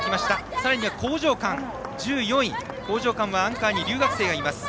さらに興譲館、１４位。興譲館はアンカーに留学生がいます。